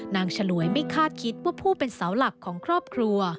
ฉลวยไม่คาดคิดว่าผู้เป็นเสาหลักของครอบครัว